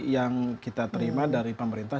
yang kita terima dari pemerintah